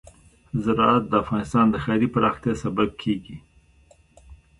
زراعت د افغانستان د ښاري پراختیا سبب کېږي.